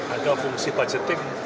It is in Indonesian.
ada fungsi budgeting